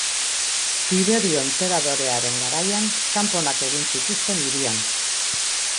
Tiberio enperadorearen garaian, txanponak egin zituzten hirian.